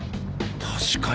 確かに。